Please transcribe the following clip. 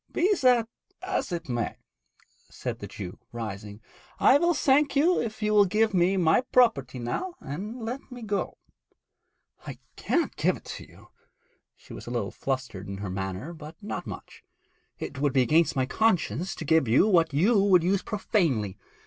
'Be that as it may,' said the Jew, rising, 'I will thank you if you will give me my property now and let me go.' 'I cannot give it to you.' She was a little flustered in her manner, but not much. 'It would be against my conscience to give you what you would use profanely.